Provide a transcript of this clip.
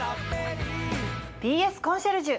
「ＢＳコンシェルジュ」。